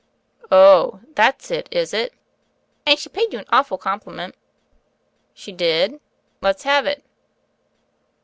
"Ohl That's it, is it?" "And she paid you an awful compliment." "She did? Let^s have it."